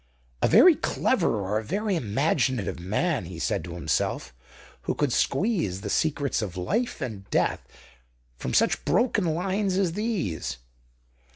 "A very clever, or a very imaginative man," he said to himself, "who could squeeze the secrets of life and death from such broken lines as those!"